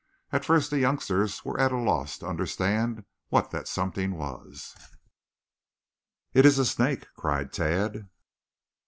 At first the youngsters were at a loss to understand what that something was. "It is a snake!" cried Tad.